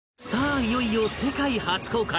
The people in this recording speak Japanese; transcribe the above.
いよいよ世界初公開！